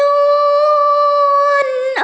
ขอบคุณค่ะ